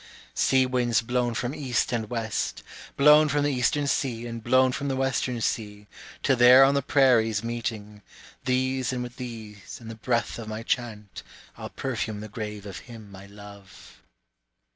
Sea winds blown from east and west, Blown from the Eastern sea and blown from the Western sea, till there on the prairies meeting, These and with these and the breath of my chant, I'll perfume the grave of him I love.